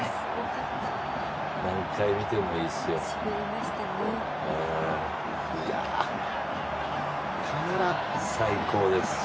何回見てもいいっすよ。